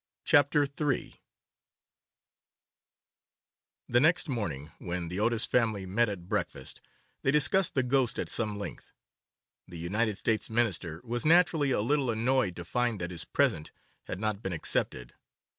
CHAPTER III THE next morning when the Otis family met at breakfast, they discussed the ghost at some length. The United States Minister was naturally a little annoyed to find that his present had not been accepted.